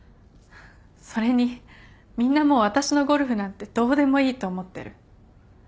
それにみんなもう私のゴルフなんてどうでもいいと思ってる。